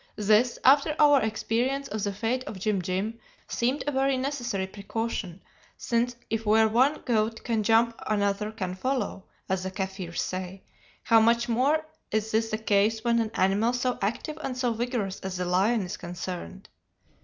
This, after our experience of the fate of Jim Jim, seemed a very necessary precaution, since if where one goat can jump another can follow, as the Kaffirs say, how much more is this the case when an animal so active and so vigorous as the lion is concerned!